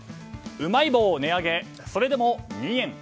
うまい棒値上げ、それでも２円。